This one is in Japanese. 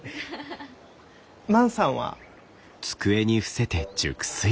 万さんは？